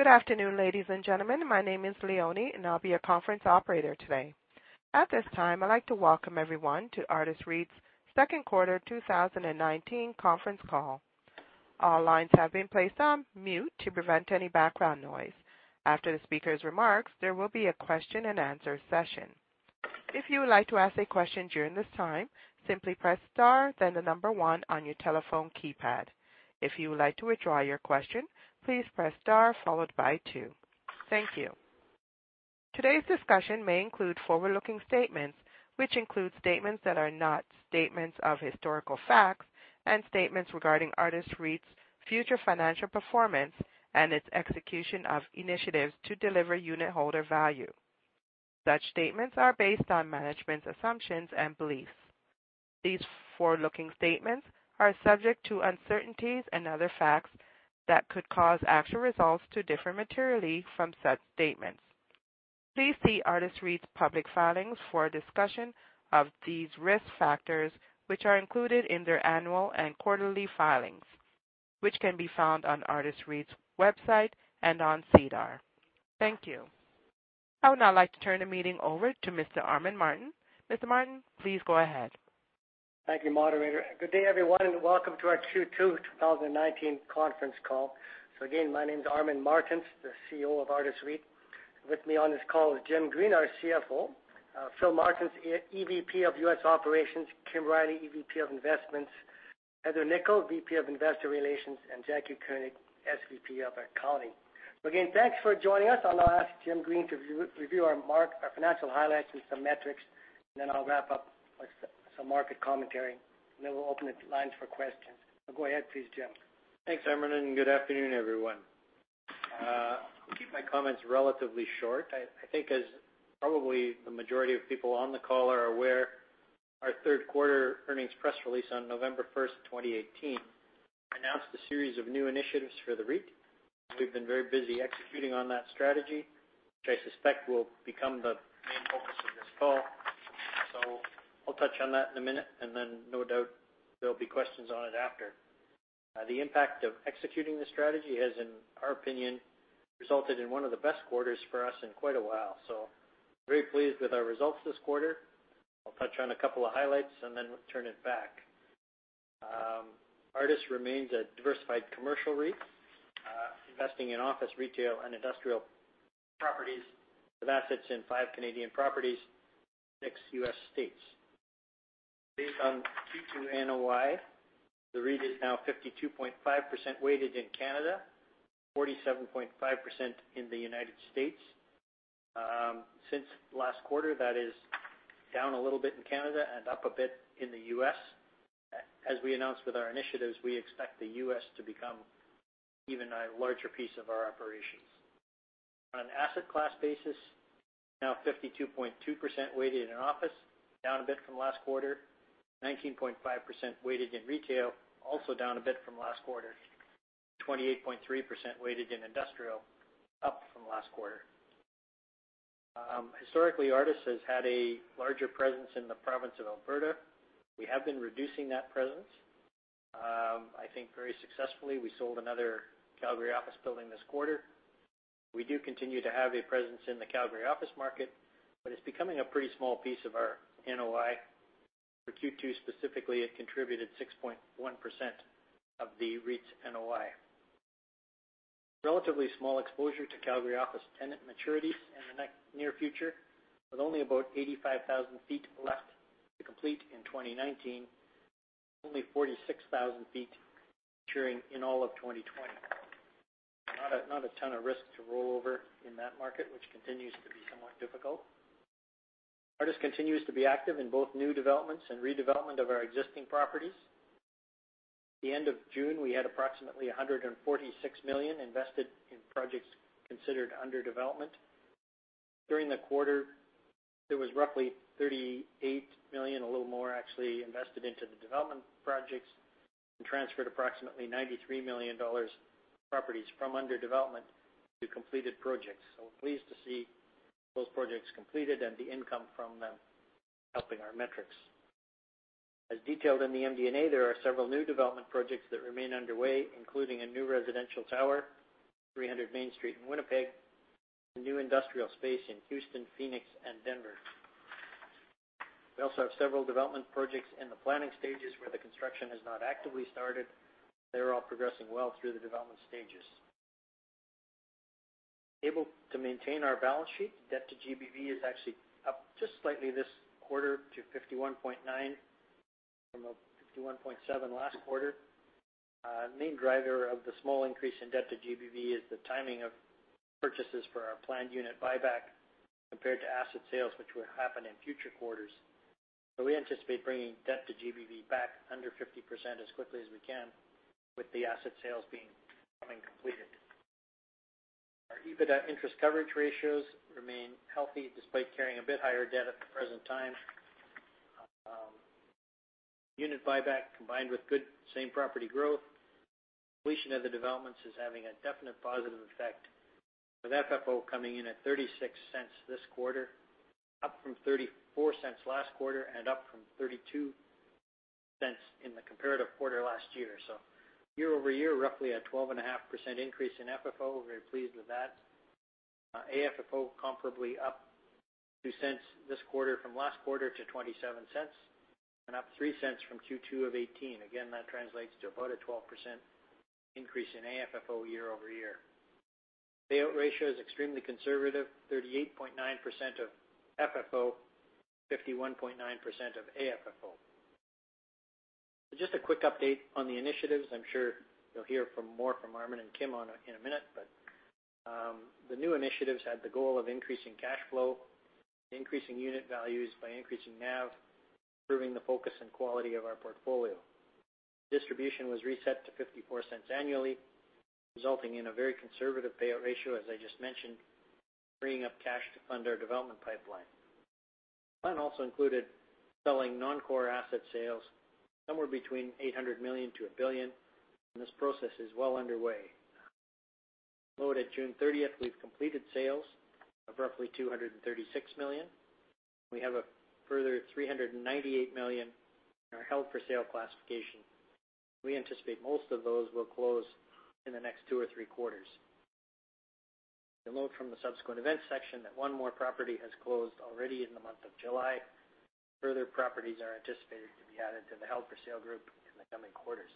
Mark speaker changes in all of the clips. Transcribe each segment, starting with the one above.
Speaker 1: Good afternoon, ladies and gentlemen. My name is Leonie, and I'll be your conference operator today. At this time, I'd like to welcome everyone to Artis REIT's second quarter 2019 conference call. All lines have been placed on mute to prevent any background noise. After the speaker's remarks, there will be a question-and-answer session. If you would like to ask a question during this time, simply press star then the number 1 on your telephone keypad. If you would like to withdraw your question, please press star followed by two. Thank you. Today's discussion may include forward-looking statements, which include statements that are not statements of historical facts, and statements regarding Artis REIT's future financial performance and its execution of initiatives to deliver unitholder value. Such statements are based on management's assumptions and beliefs. These forward-looking statements are subject to uncertainties and other facts that could cause actual results to differ materially from such statements. Please see Artis REIT's public filings for a discussion of these risk factors, which are included in their annual and quarterly filings, which can be found on Artis REIT's website and on SEDAR. Thank you. I would now like to turn the meeting over to Mr. Armin Martens. Mr. Martens, please go ahead.
Speaker 2: Thank you, moderator. Good day, everyone, and welcome to our Q2 2019 conference call. Again, my name's Armin Martens, the CEO of Artis REIT. With me on this call is Jim Green, our CFO, Philip Martens, EVP of U.S. Operations, Kim Riley, EVP of Investments, Heather Nikkel, VP of Investor Relations, and Jaclyn Koenig, SVP of Accounting. Again, thanks for joining us. I'll now ask Jim Green to review our financial highlights and some metrics, I'll wrap up with some market commentary, we'll open the lines for questions. Go ahead, please, Jim.
Speaker 3: Thanks, Armin. Good afternoon, everyone. I'll keep my comments relatively short. I think as probably the majority of people on the call are aware, our third quarter earnings press release on November 1, 2018 announced a series of new initiatives for the REIT. We've been very busy executing on that strategy, which I suspect will become the main focus of this call. I'll touch on that in a minute. No doubt there'll be questions on it after. The impact of executing the strategy has, in our opinion, resulted in one of the best quarters for us in quite a while. Very pleased with our results this quarter. I'll touch on a couple of highlights. Turn it back. Artis remains a diversified commercial REIT, investing in office, retail, and industrial properties with assets in five Canadian properties, six U.S. states. Based on Q2 NOI, the REIT is now 52.5% weighted in Canada, 47.5% in the U.S. Since last quarter, that is down a little bit in Canada and up a bit in the U.S. As we announced with our initiatives, we expect the U.S. to become even a larger piece of our operations. On an asset class basis, now 52.2% weighted in office, down a bit from last quarter, 19.5% weighted in retail, also down a bit from last quarter, 28.3% weighted in industrial, up from last quarter. Historically, Artis has had a larger presence in the province of Alberta. We have been reducing that presence, I think very successfully. We sold another Calgary office building this quarter. We do continue to have a presence in the Calgary office market, but it's becoming a pretty small piece of our NOI. For Q2 specifically, it contributed 6.1% of the REIT's NOI. Relatively small exposure to Calgary office tenant maturities in the near future, with only about 85,000 feet left to complete in 2019, only 46,000 feet maturing in all of 2020. Not a ton of risk to rollover in that market, which continues to be somewhat difficult. Artis continues to be active in both new developments and redevelopment of our existing properties. At the end of June, we had approximately 146 million invested in projects considered under development. During the quarter, there was roughly 38 million, a little more actually, invested into the development projects and transferred approximately 93 million dollars properties from under development to completed projects. We're pleased to see those projects completed and the income from them helping our metrics. As detailed in the MD&A, there are several new development projects that remain underway, including a new residential tower, 300 Main Street in Winnipeg, a new industrial space in Houston, Phoenix, and Denver. We also have several development projects in the planning stages where the construction has not actively started. They're all progressing well through the development stages. Able to maintain our balance sheet. Debt to GBV is actually up just slightly this quarter to 51.9 from a 51.7 last quarter. We anticipate bringing debt to GBV back under 50% as quickly as we can with the asset sales becoming completed. Our EBITDA interest coverage ratios remain healthy despite carrying a bit higher debt at the present time. Unit buyback, combined with good same-property growth. Completion of the developments is having a definite positive effect, with FFO coming in at 0.36 this quarter, up from 0.34 last quarter, and up from 0.32 in the comparative quarter last year. Year-over-year, roughly a 12.5% increase in FFO. Very pleased with that. AFFO comparably up 0.02 this quarter from last quarter to 0.27, and up 0.03 from Q2 2018. Again, that translates to about a 12% increase in AFFO year-over-year. Payout ratio is extremely conservative, 38.9% of FFO, 51.9% of AFFO. Just a quick update on the initiatives. I'm sure you'll hear more from Armin and Kim in a minute, but the new initiatives had the goal of increasing cash flow, increasing unit values by increasing NAV, improving the focus and quality of our portfolio. Distribution was reset to 0.54 annually, resulting in a very conservative payout ratio, as I just mentioned, freeing up cash to fund our development pipeline. Plan also included selling non-core asset sales, somewhere between 800 million-1 billion, and this process is well underway. As noted, June 30th, we've completed sales of roughly 236 million. We have a further 398 million in our held for sale classification. We anticipate most of those will close in the next two or three quarters. You'll note from the Subsequent Events section that one more property has closed already in the month of July. Further properties are anticipated to be added to the held for sale group in the coming quarters.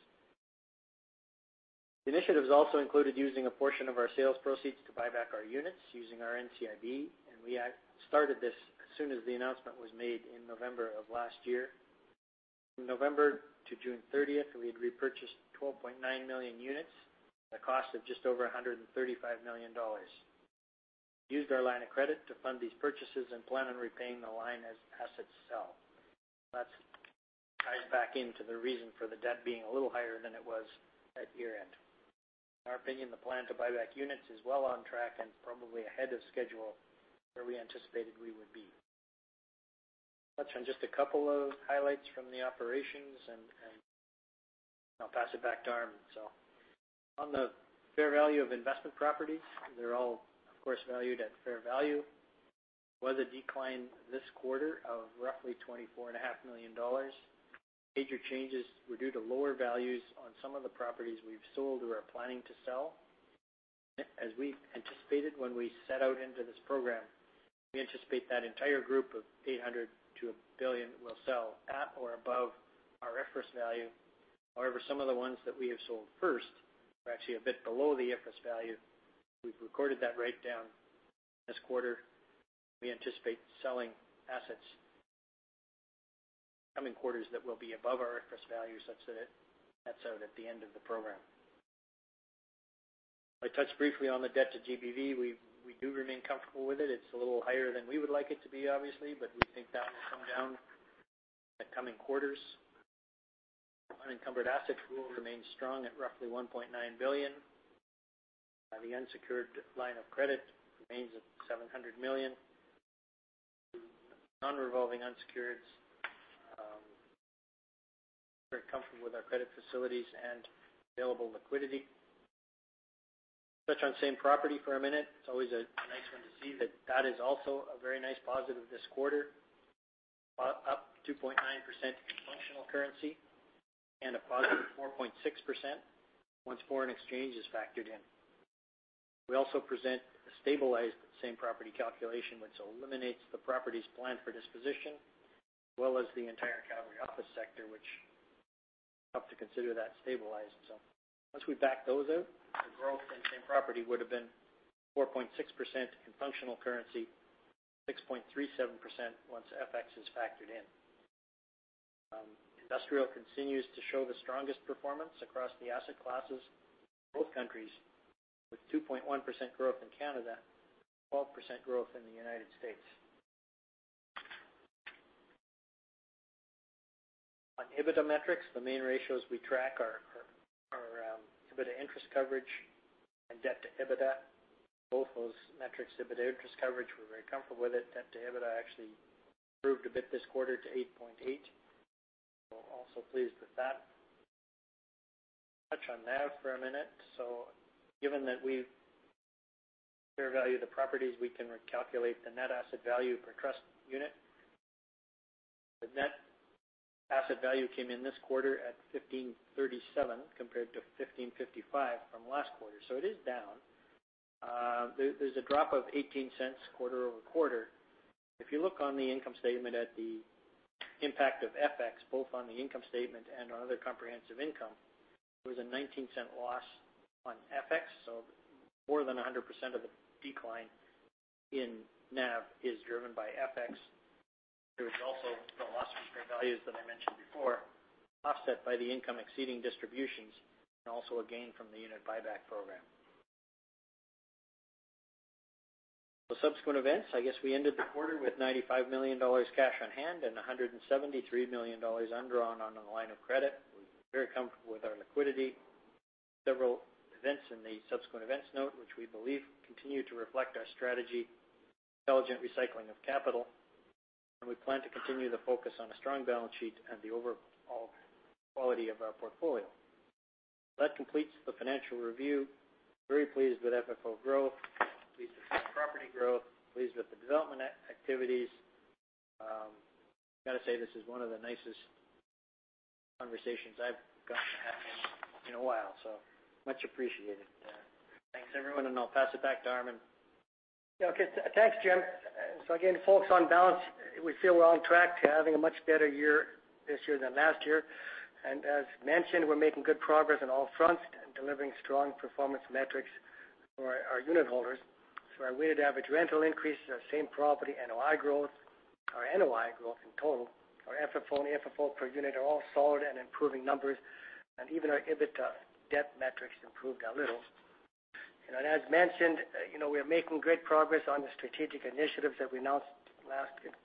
Speaker 3: Initiatives also included using a portion of our sales proceeds to buy back our units using our NCIB. We started this as soon as the announcement was made in November of last year. From November to June 30, we had repurchased 12.9 million units at a cost of just over 135 million dollars. We used our line of credit to fund these purchases. We plan on repaying the line as assets sell. That ties back into the reason for the debt being a little higher than it was at year-end. In our opinion, the plan to buy back units is well on track and probably ahead of schedule where we anticipated we would be. I'll touch on just a couple of highlights from the operations. I'll pass it back to Armin. On the fair value of investment properties, they're all, of course, valued at fair value. Was a decline this quarter of roughly 24.5 million dollars. Major changes were due to lower values on some of the properties we've sold or are planning to sell. As we anticipated when we set out into this program, we anticipate that entire group of 800 million-1 billion will sell at or above our at-risk value. However, some of the ones that we have sold first are actually a bit below the at-risk value. We've recorded that write-down this quarter. We anticipate selling assets in coming quarters that will be above our at-risk value, such that it nets out at the end of the program. I touched briefly on the debt to GBV. We do remain comfortable with it. It's a little higher than we would like it to be, obviously, but we think that will come down in coming quarters. Unencumbered assets will remain strong at roughly 1.9 billion. The unsecured line of credit remains at 700 million. Non-revolving unsecureds, very comfortable with our credit facilities and available liquidity. Touch on same property for a minute. It's always a nice one to see that that is also a very nice positive this quarter, up 2.9% in functional currency and a positive 4.6% once foreign exchange is factored in. We also present a stabilized same property calculation, which eliminates the properties planned for disposition, as well as the entire Calgary office sector, which helped to consider that stabilized. Once we back those out, the growth in same property would've been 4.6% in functional currency, 6.37% once FX is factored in. Industrial continues to show the strongest performance across the asset classes in both countries, with 2.1% growth in Canada, 12% growth in the United States. On EBITDA metrics, the main ratios we track are EBITDA interest coverage and debt to EBITDA. Both those metrics, EBITDA interest coverage, we're very comfortable with it. Debt to EBITDA actually improved a bit this quarter to 8.8. We're also pleased with that. Touch on NAV for a minute. Given that we fair value the properties, we can recalculate the net asset value per trust unit. The net asset value came in this quarter at 15.37 compared to 15.55 from last quarter, so it is down. There's a drop of 0.18 quarter-over-quarter. If you look on the income statement at the impact of FX, both on the income statement and on other comprehensive income, there was a 0.19 loss on FX. More than 100% of the decline in NAV is driven by FX. There was also the loss from fair values that I mentioned before, offset by the income exceeding distributions, also a gain from the Unit Buyback Program. Subsequent Events, I guess we ended the quarter with 95 million dollars cash on-hand and 173 million dollars undrawn on the line of credit. We're very comfortable with our liquidity. Several events in the Subsequent Events note, which we believe continue to reflect our strategy, intelligent recycling of capital, and we plan to continue the focus on a strong balance sheet and the overall quality of our portfolio. That completes the financial review. Very pleased with FFO growth, pleased with our property growth, pleased with the development activities. Got to say, this is one of the nicest conversations I've gotten to have in a while, so much appreciated.
Speaker 2: Yeah.
Speaker 3: Thanks, everyone, and I'll pass it back to Armin.
Speaker 2: Yeah, okay. Thanks, Jim. Again, folks, on balance, we feel we're on track to having a much better year this year than last year. As mentioned, we're making good progress on all fronts and delivering strong performance metrics for our unit holders. Our weighted average rental increase and our same property NOI growth, our NOI growth in total, our FFO, and FFO per unit are all solid and improving numbers, and even our EBITDA debt metrics improved a little. As mentioned, we are making great progress on the strategic initiatives that we announced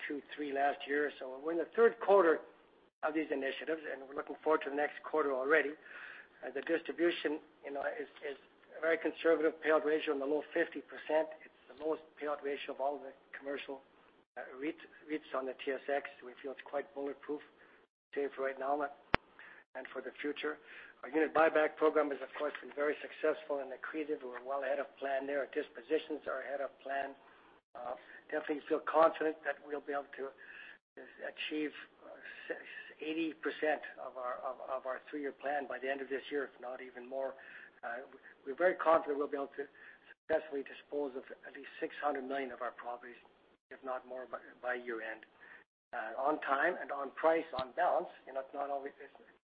Speaker 2: two, three last year or so. We're in the third quarter of these initiatives, and we're looking forward to the next quarter already. The distribution is a very conservative payout ratio in the low 50%. It's the lowest payout ratio of all the commercial REITs on the TSX. We feel it's quite bulletproof, safe right now and for the future. Our unit buyback program has, of course, been very successful and accretive. We're well ahead of plan there. Dispositions are ahead of plan. Definitely feel confident that we'll be able to achieve 80% of our three-year plan by the end of this year, if not even more. We're very confident we'll be able to successfully dispose of at least 600 million of our properties, if not more, by year-end. On time and on price, on balance,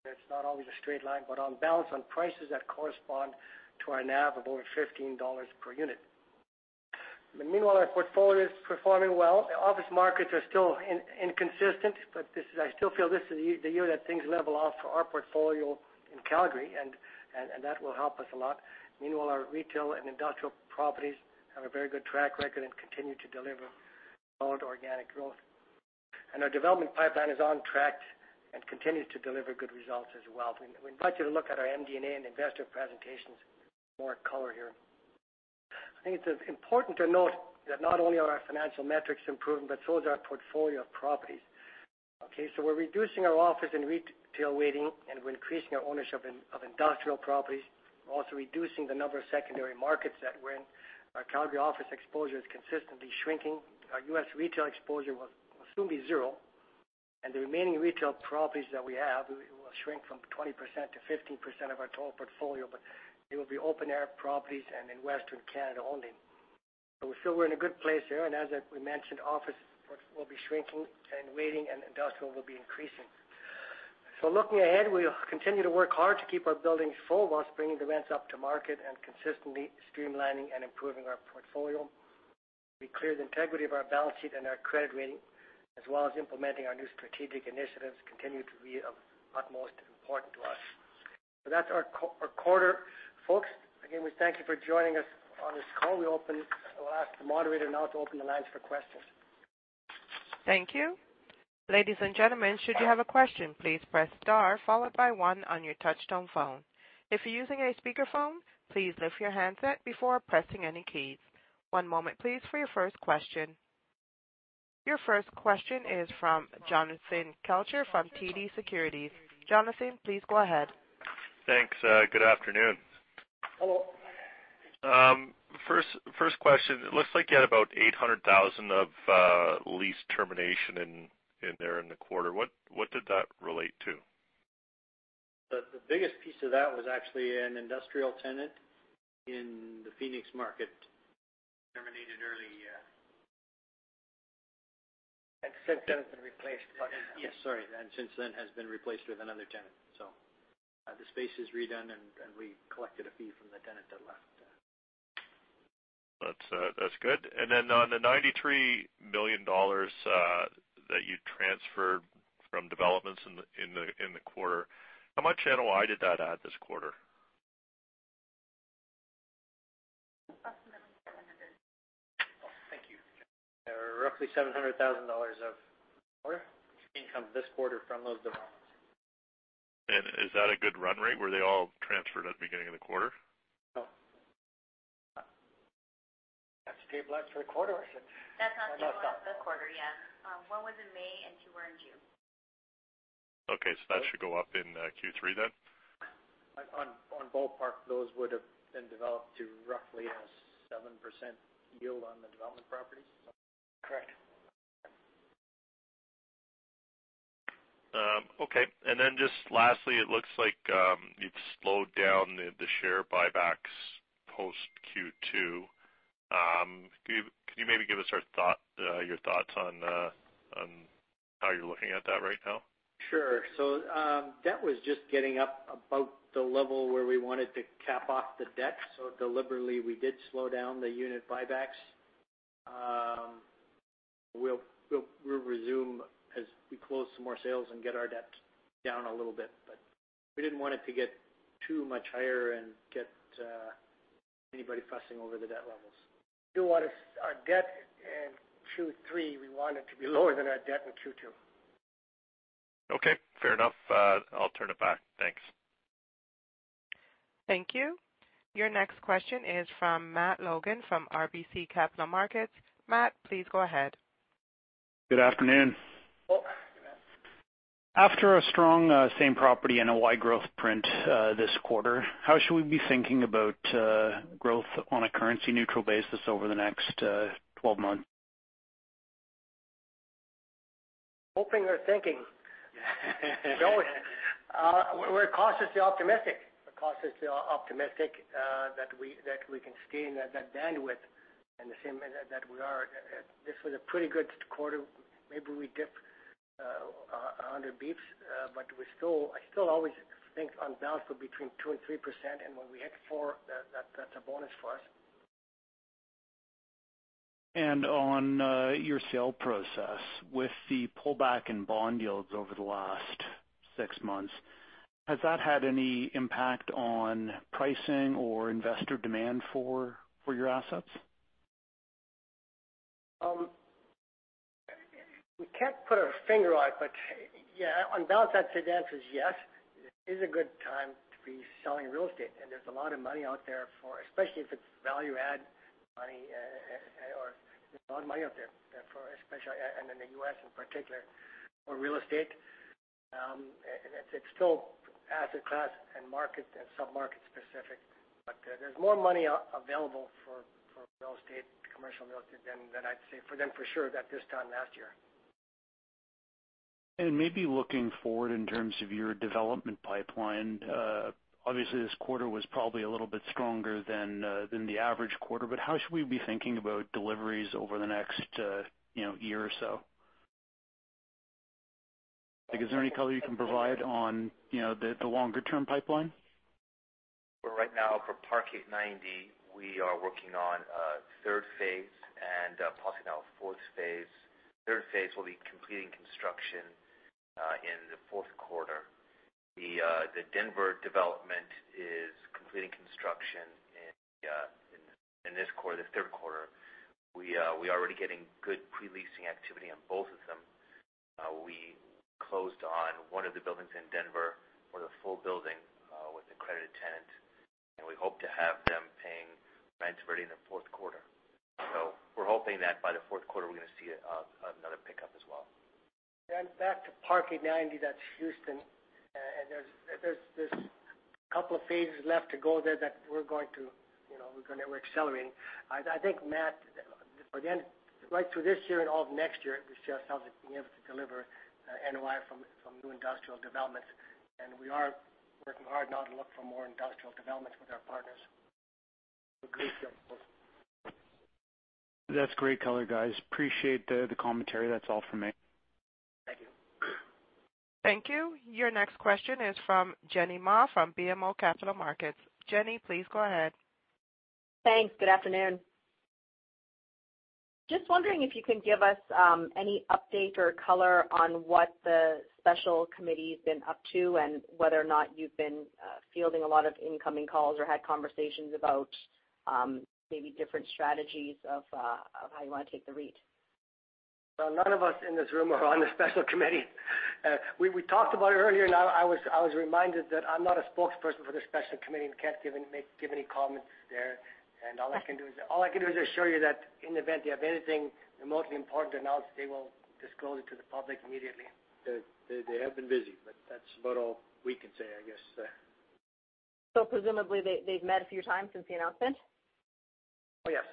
Speaker 2: it's not always a straight line, but on balance, on prices that correspond to our NAV of over 15 dollars per unit. Meanwhile, our portfolio is performing well. The office markets are still inconsistent, but I still feel this is the year that things level off for our portfolio in Calgary, and that will help us a lot. Meanwhile, our retail and industrial properties have a very good track record and continue to deliver solid organic growth. Our development pipeline is on track and continues to deliver good results as well. We invite you to look at our MD&A and investor presentations for more color here. I think it's important to note that not only are our financial metrics improving, but so is our portfolio of properties. Okay, we're reducing our office and retail weighting, and we're increasing our ownership of industrial properties. We're also reducing the number of secondary markets that we're in. Our Calgary office exposure is consistently shrinking. Our U.S. retail exposure will soon be zero, and the remaining retail properties that we have will shrink from 20%-15% of our total portfolio, but they will be open-air properties and in Western Canada only. We feel we're in a good place there, as we mentioned, office will be shrinking and weighting, industrial will be increasing. Looking ahead, we'll continue to work hard to keep our buildings full whilst bringing the rents up to market and consistently streamlining and improving our portfolio. The clear integrity of our balance sheet and our credit rating, as well as implementing our new strategic initiatives continue to be of utmost importance to us. That's our quarter, folks. Again, we thank you for joining us on this call. We'll ask the moderator now to open the lines for questions.
Speaker 1: Thank you. Ladies and gentlemen, should you have a question, please press star followed by one on your touch-tone phone. If you're using a speakerphone, please lift your handset before pressing any keys. One moment, please, for your first question. Your first question is from Jonathan Kelcher from TD Securities. Jonathan, please go ahead.
Speaker 4: Thanks. Good afternoon.
Speaker 2: Hello.
Speaker 4: First question, it looks like you had about 800,000 of lease termination in there in the quarter. What did that relate to?
Speaker 3: The biggest piece of that was actually an industrial tenant in the Phoenix market. Terminated early.
Speaker 2: Since then has been replaced by.
Speaker 3: Yeah, sorry. Since then has been replaced with another tenant. The space is redone, and we collected a fee from the tenant that left.
Speaker 4: That's good. Then on the 93 million dollars that you transferred from developments in the quarter, how much NOI did that add this quarter?
Speaker 5: Approximately CAD 700,000.
Speaker 3: Thank you. There are roughly 700,000 dollars of income this quarter from those developments.
Speaker 4: Is that a good run rate? Were they all transferred at the beginning of the quarter?
Speaker 3: No.
Speaker 2: That's table for the quarter. Is it? That's not the quarter yet. One was in May, and two were in June.
Speaker 4: Okay. That should go up in Q3 then?
Speaker 3: On ballpark, those would've been developed to roughly a 7% yield on the development properties.
Speaker 2: Correct.
Speaker 4: Okay. Just lastly, it looks like you've slowed down the share buybacks post Q2. Can you maybe give us your thoughts on how you're looking at that right now?
Speaker 3: Sure. That was just getting up about the level where we wanted to cap off the debt. Deliberately, we did slow down the unit buybacks. We'll resume as we close some more sales and get our debt down a little bit. We didn't want it to get too much higher and get anybody fussing over the debt levels.
Speaker 2: Our debt in Q3, we want it to be lower than our debt in Q2.
Speaker 4: Okay, fair enough. I'll turn it back. Thanks.
Speaker 1: Thank you. Your next question is from Matt Logan from RBC Capital Markets. Matt, please go ahead.
Speaker 6: Good afternoon. After a strong same property and a wide growth print this quarter, how should we be thinking about growth on a currency neutral basis over the next 12 months?
Speaker 2: Hoping or thinking? We're cautiously optimistic that we can stay in that bandwidth in the same that we are. This was a pretty good quarter. Maybe we dip 100 basis points, but I still always think on balance we're between 2% and 3%, and when we hit 4%, that's a bonus for us.
Speaker 6: On your sale process with the pullback in bond yields over the last six months, has that had any impact on pricing or investor demand for your assets?
Speaker 2: We can't put our finger on it, but yeah, on balance, I'd say the answer is yes. It is a good time to be selling real estate, and there's a lot of money out there for, especially if it's value add money, or there's a lot of money out there, and in the U.S. in particular, for real estate. It's still asset class and market and sub-market specific, but there's more money available for real estate, commercial real estate than I'd say for sure at this time last year.
Speaker 6: Maybe looking forward in terms of your development pipeline. Obviously, this quarter was probably a little bit stronger than the average quarter. How should we be thinking about deliveries over the next year or so? Is there any color you can provide on the longer-term pipeline?
Speaker 7: Right now for Park 8Ninety, we are working on a third phase and possibly now a fourth phase. Third phase will be completing construction in the fourth quarter. The Denver development is completing construction in this quarter, the third quarter. We are already getting good pre-leasing activity on both of them. We closed on one of the buildings in Denver for the full building with a credited tenant. We hope to have them paying rents ready in the fourth quarter. We're hoping that by the fourth quarter, we're going to see another pickup as well.
Speaker 2: Back to Park 8Ninety, that's Houston. There's a couple of phases left to go there that we're going to accelerate. I think, Matt, right through this year and all of next year, we see ourselves as being able to deliver NOI from new industrial developments. We are working hard now to look for more industrial developments with our partners. A great deal of course.
Speaker 6: That's great color, guys. Appreciate the commentary. That's all from me.
Speaker 7: Thank you.
Speaker 1: Thank you. Your next question is from Jenny Ma from BMO Capital Markets. Jenny, please go ahead.
Speaker 8: Thanks. Good afternoon. Just wondering if you can give us any update or color on what the special committee's been up to and whether or not you've been fielding a lot of incoming calls or had conversations about maybe different strategies of how you want to take the REIT.
Speaker 2: Well, none of us in this room are on the special committee. We talked about it earlier, and I was reminded that I'm not a spokesperson for the special committee and can't give any comments there. All I can do is assure you that in the event they have anything remotely important to announce, they will disclose it to the public immediately. They have been busy, but that's about all we can say, I guess.
Speaker 8: Presumably, they've met a few times since the announcement?
Speaker 2: Oh, yes.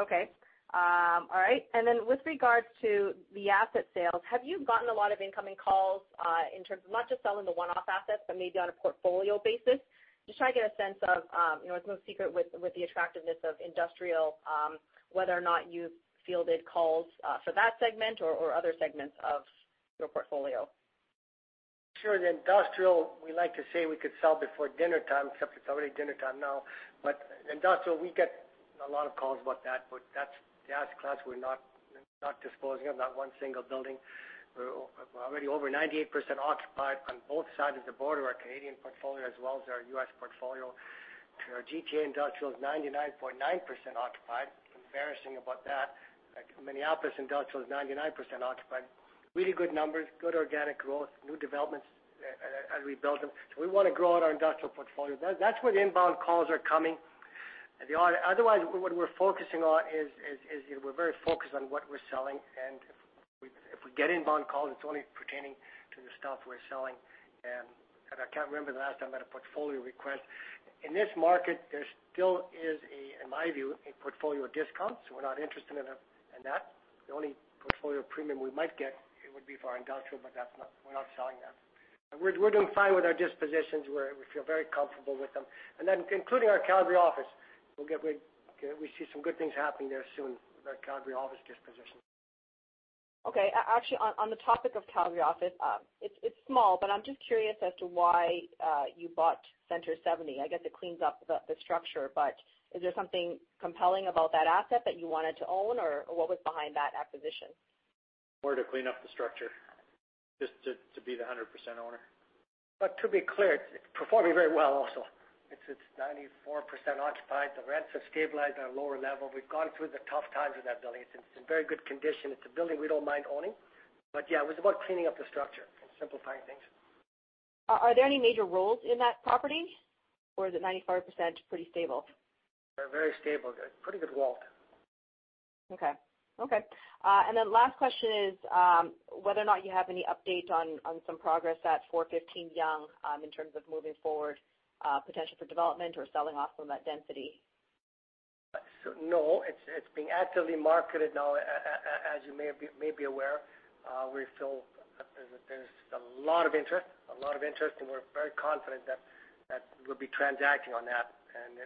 Speaker 8: Okay. All right. Then with regards to the asset sales, have you gotten a lot of incoming calls in terms of not just selling the one-off assets, but maybe on a portfolio basis? Just trying to get a sense of, it's no secret with the attractiveness of industrial, whether or not you've fielded calls for that segment or other segments of your portfolio.
Speaker 2: Sure. The industrial, we like to say we could sell before dinnertime, except it's already dinnertime now. Industrial, we get a lot of calls about that, but that's the asset class we're not disposing of, not one single building. We're already over 98% occupied on both sides of the border, our Canadian portfolio as well as our U.S. portfolio. Our GTA Industrial is 99.9% occupied. Embarrassing about that. Minneapolis Industrial is 99% occupied. Really good numbers, good organic growth, new developments as we build them. We want to grow out our industrial portfolio. That's where the inbound calls are coming. Otherwise, what we're focusing on is we're very focused on what we're selling. If we get inbound calls, it's only pertaining to the stuff we're selling. I can't remember the last time I had a portfolio request. In this market, there still is, in my view, a portfolio discount, so we're not interested in that. The only portfolio premium we might get, it would be for our industrial, but we're not selling that. We're doing fine with our dispositions. We feel very comfortable with them. Concluding our Calgary office, we see some good things happening there soon with our Calgary office disposition.
Speaker 8: Okay. Actually, on the topic of Calgary office, it's small, but I'm just curious as to why you bought Centre 70. I guess it cleans up the structure, but is there something compelling about that asset that you wanted to own, or what was behind that acquisition?
Speaker 3: More to clean up the structure. Just to be the 100% owner.
Speaker 2: To be clear, it's performing very well also. It's 94% occupied. The rents have stabilized at a lower level. We've gone through the tough times with that building. It's in very good condition. It's a building we don't mind owning. Yeah, it was about cleaning up the structure and simplifying things.
Speaker 8: Are there any major rolls in that property, or is it 95% pretty stable?
Speaker 2: They're very stable. They're a pretty good wall.
Speaker 8: Okay. Last question is, whether or not you have any update on some progress at 415 Yonge in terms of moving forward, potential for development or selling off from that density?
Speaker 2: No, it's being actively marketed now, as you may be aware. We feel there's a lot of interest, and we're very confident that we'll be transacting on that, and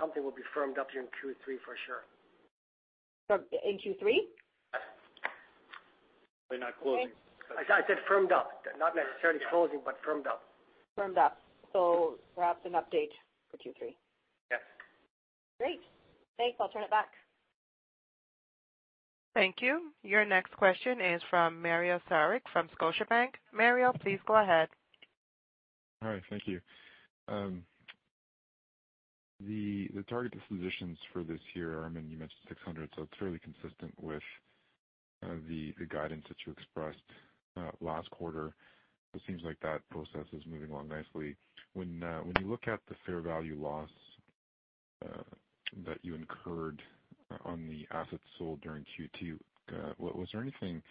Speaker 2: something will be firmed up during Q3 for sure.
Speaker 8: In Q3?
Speaker 3: Not closing.
Speaker 2: I said firmed up, not necessarily closing, but firmed up.
Speaker 8: Firmed up. Perhaps an update for Q3.
Speaker 2: Yes.
Speaker 8: Great. Thanks. I'll turn it back.
Speaker 1: Thank you. Your next question is from Mario Saric from Scotiabank. Mario, please go ahead.
Speaker 9: All right. Thank you. The target dispositions for this year, Armin, you mentioned 600, so it's fairly consistent with the guidance that you expressed last quarter. It seems like that process is moving along nicely. When you look at the fair value loss that you incurred on the assets sold during Q2, was there anything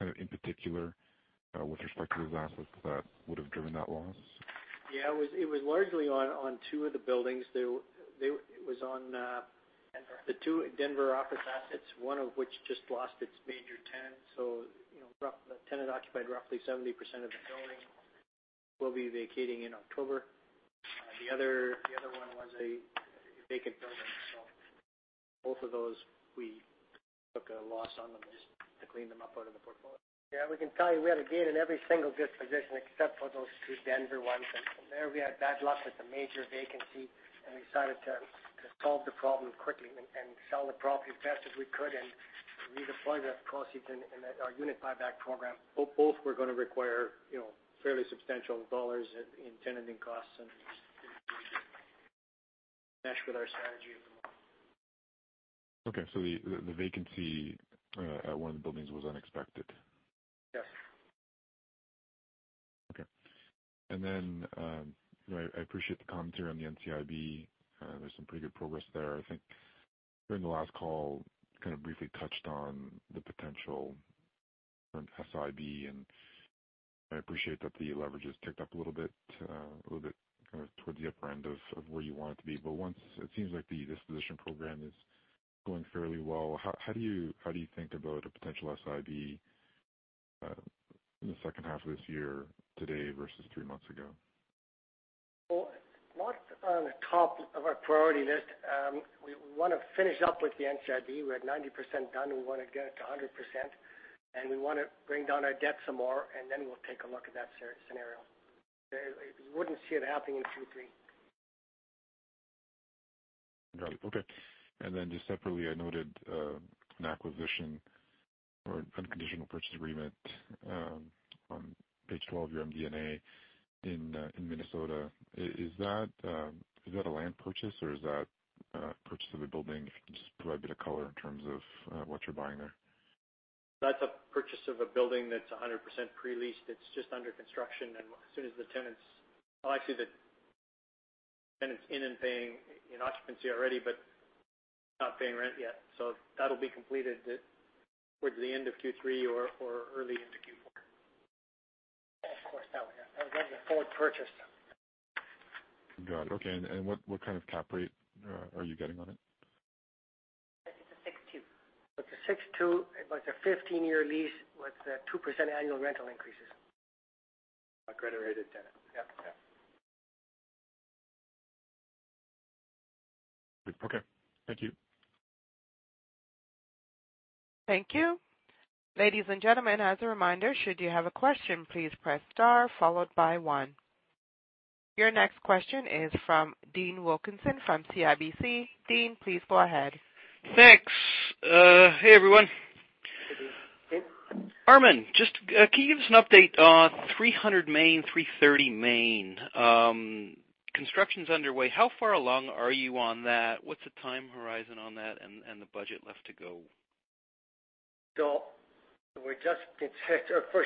Speaker 9: in particular with respect to those assets that would have driven that loss?
Speaker 3: Yeah, it was largely on two of the buildings.
Speaker 2: Denver
Speaker 3: the two Denver office assets, one of which just lost its major tenant. The tenant occupied roughly 70% of the building, will be vacating in October. The other one was a vacant building. Both of those, we took a loss on them just to clean them up out of the portfolio.
Speaker 2: We can tell you we had a gain in every single disposition except for those two Denver ones. There we had bad luck with a major vacancy, and we decided to solve the problem quickly and sell the property as fast as we could and redeploy the proceeds in our unit buyback program.
Speaker 3: Both were going to require fairly substantial dollars in tenanting costs and mesh with our strategy anymore.
Speaker 9: The vacancy at one of the buildings was unexpected.
Speaker 2: Yes.
Speaker 9: Okay. I appreciate the commentary on the NCIB. There's some pretty good progress there. I think during the last call, kind of briefly touched on the potential from SIB, I appreciate that the leverage has ticked up a little bit towards the upper end of where you want it to be. It seems like the disposition program is going fairly well. How do you think about a potential SIB in the second half of this year today versus three months ago?
Speaker 2: Well, not on the top of our priority list. We want to finish up with the NCIB. We're at 90% done. We want to get it to 100%, and we want to bring down our debt some more, and then we'll take a look at that scenario. We wouldn't see it happening in Q3.
Speaker 9: Got it. Okay. Just separately, I noted an acquisition or unconditional purchase agreement on page 12 of your MD&A in Minnesota. Is that a land purchase or is that a purchase of a building? If you could just provide a bit of color in terms of what you're buying there.
Speaker 3: That's a purchase of a building that's 100% pre-leased. It's just under construction. Well, actually, the tenant's in and paying in occupancy already, but not paying rent yet. That'll be completed towards the end of Q3 or early into Q4.
Speaker 2: Of course, that was a forward purchase.
Speaker 9: Got it. Okay, what kind of cap rate are you getting on it?
Speaker 5: I think it's a 6.2.
Speaker 2: It's a 6.2. It was a 15-year lease with 2% annual rental increases.
Speaker 3: A credit-rated tenant. Yep.
Speaker 2: Yep.
Speaker 9: Okay. Thank you.
Speaker 1: Thank you. Ladies and gentlemen, as a reminder, should you have a question, please press star followed by one. Your next question is from Dean Wilkinson from CIBC. Dean, please go ahead.
Speaker 10: Thanks. Hey, everyone.
Speaker 2: Hey, Dean.
Speaker 3: Hey.
Speaker 10: Armin, can you give us an update on 330 Main, 330 Main. Construction's underway. How far along are you on that? What's the time horizon on that and the budget left to go?
Speaker 2: For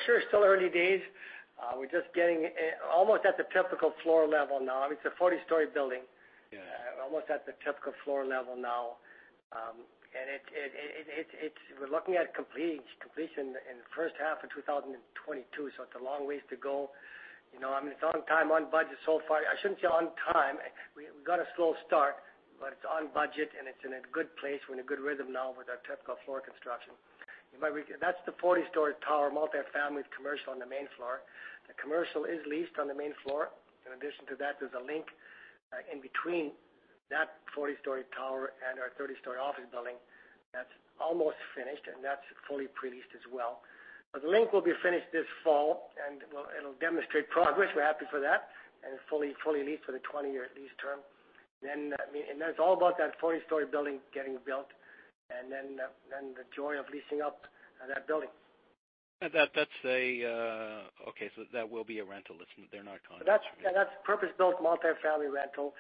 Speaker 2: sure it's still early days. We're just getting almost at the typical floor level now. It's a 40-story building.
Speaker 10: Yeah.
Speaker 2: Almost at the typical floor level now. We're looking at completion in the first half of 2022, so it's a long ways to go. It's on time, on budget so far. I shouldn't say on time. We got a slow start. It's on budget, and it's in a good place. We're in a good rhythm now with our typical floor construction. That's the 40-story tower, multi-family with commercial on the main floor. The commercial is leased on the main floor. In addition to that, there's a link in between that 40-story tower and our 30-story office building that's almost finished, and that's fully pre-leased as well. The link will be finished this fall, and it'll demonstrate progress. We're happy for that. Fully leased with a 20-year lease term. I mean, and that's all about that 40-story building getting built, and then the joy of leasing up that building.
Speaker 10: Okay, that will be a rental. They're not condos.
Speaker 2: That's purpose-built multi-family rental.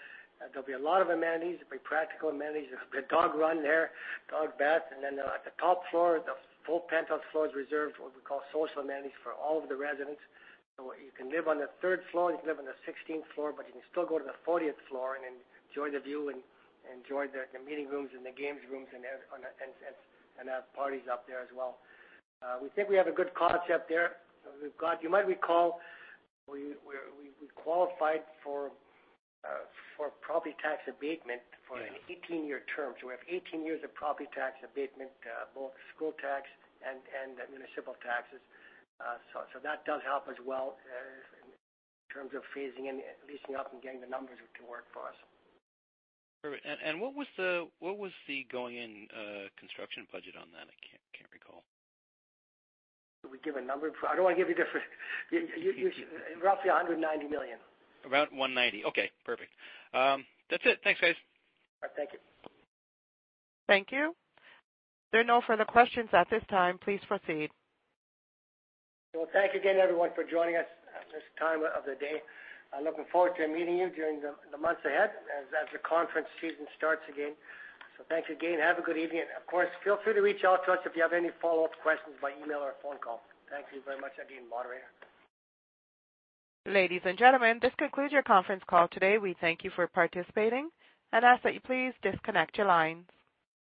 Speaker 2: There'll be a lot of amenities. There'll be practical amenities. There's a good dog run there, dog bath, and then at the top floor, the full penthouse floor is reserved for what we call social amenities for all of the residents. You can live on the third floor, you can live on the 16th floor, but you can still go to the 40th floor and enjoy the view and enjoy the meeting rooms and the games rooms and have parties up there as well. We think we have a good concept there. You might recall, we qualified for property tax abatement for an 18-year term. We have 18 years of property tax abatement, both school tax and municipal taxes. That does help as well in terms of phasing in, leasing up, and getting the numbers to work for us.
Speaker 10: Perfect. What was the going-in construction budget on that? I can't recall.
Speaker 2: Do we give a number? Roughly 190 million.
Speaker 10: About 190. Okay, perfect. That's it. Thanks, guys.
Speaker 2: All right, thank you.
Speaker 1: Thank you. There are no further questions at this time. Please proceed.
Speaker 2: Well, thank you again, everyone, for joining us at this time of the day. I'm looking forward to meeting you during the months ahead as the conference season starts again. Thanks again. Have a good evening, and of course, feel free to reach out to us if you have any follow-up questions by email or phone call. Thank you very much again, moderator.
Speaker 1: Ladies and gentlemen, this concludes your conference call today. We thank you for participating and ask that you please disconnect your lines.